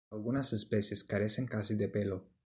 Algunas especies carecen casi de pelo.